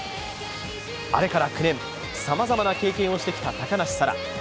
あれから９年、さまざまな経験をしてきた高梨沙羅。